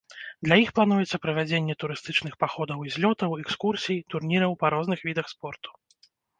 Для іх плануецца правядзенне турыстычных паходаў і злётаў, экскурсій, турніраў па розных відах спорту.